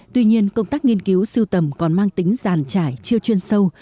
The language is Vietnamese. tuy nhiên công tác nghiên cứu siêu tầm còn mang tính giàn trải chưa chuyên sâu